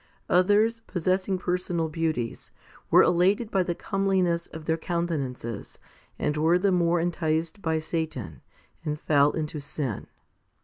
Others, possessing personal beauties, were elated by the comeliness of their countenances and were the more enticed by Satan, and fell into sin.